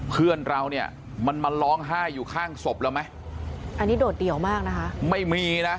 เพื่อนเราเนี่ยมันมาร้องไห้อยู่ข้างศพแล้วไหม